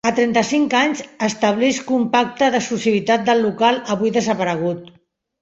A trenta-cinc anys, establisc un pacte d'exclusivitat del local avui desaparegut.